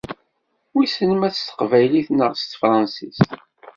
Wissen ma s teqbaylit neɣ s tefransist.